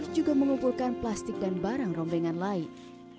juga mengumpulkan plastik dan barang rombengan lain